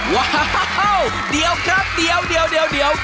ว้าวเดี๋ยวครับเดี๋ยวเดี๋ยวเดี๋ยว